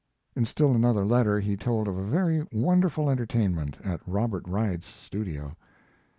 In still another letter he told of a very wonderful entertainment at Robert Reid's studio.